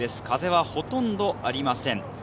風はほとんどありません。